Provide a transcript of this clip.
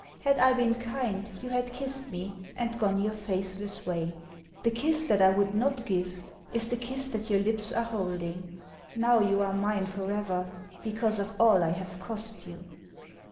Had I been kind you had kissed me and gone your faithless way. The kiss that I would not give is the kiss that your lips are holding: Now you are mine forever, because of all I have cost you.